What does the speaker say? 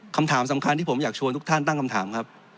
คำถามสำคัญที่ผมอยากชวนทุกท่านตั้งคำถามครับ